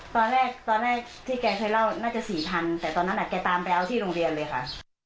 ตอนแรกตอนแรกที่แกเคยเล่าน่าจะ๔๐๐แต่ตอนนั้นแกตามไปเอาที่โรงเรียนเลยค่ะ